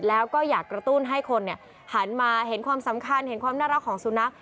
แล้วก็อยากกระตุ้นให้คนหันมาเห็นความสำคัญเห็นความน่ารักของสุนัข